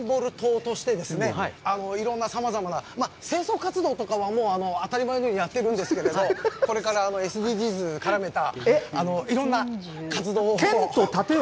そうですね、もう商店街のシンボル棟として、いろんなさまざまな清掃活動とかはもう、当たり前のようにやっているんですけれど、これからＳＤＧｓ、絡めたいろんな活動を。